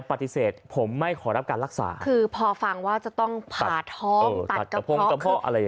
ฟังว่าอะไรยังไงนะ